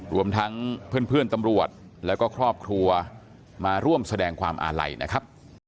รวมทั้งเพื่อนตำรวจแล้วก็ครอบครัวมาร่วมแสดงความอาลัยนะครับ